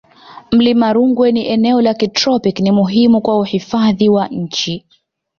mlima rungwe ni eneo la kitropiki ni muhimu kwa uhifadhi wa nchi